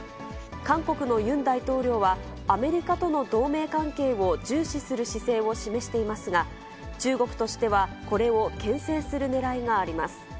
韓国のユン大統領は、アメリカとの同盟関係を重視する姿勢を示していますが、中国としては、これをけん制するねらいがあります。